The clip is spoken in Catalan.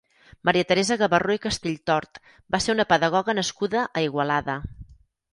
Maria Teresa Gavarró i Castelltort va ser una pedagoga nascuda a Igualada.